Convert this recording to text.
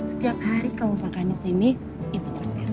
setiap hari kamu makan disini ibu kerjain